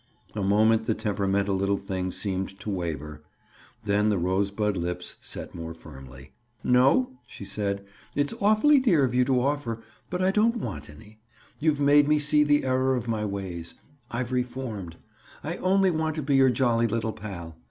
A moment the temperamental little thing seemed to waver. Then the rosebud lips set more firmly. "No," she said. "It's awfully dear of you to offer, but I don't want any. You've made me see the error of my ways. I've reformed. I only want to be your jolly little pal.